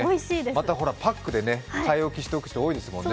またパックで買い置きしておく人多いですもんね。